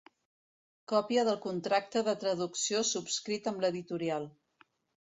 Còpia del contracte de traducció subscrit amb l'editorial.